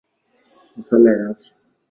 Masuala ya Afya.